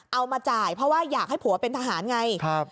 เอามาจ่ายเพราะว่าอยากให้ผัวเป็นทหารไง